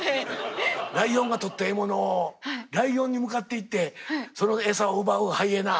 ライオンが取った獲物をライオンに向かっていってその餌を奪うハイエナ。